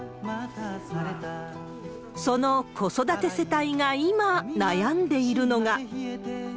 その子育て世帯が今、悩んでいるのが。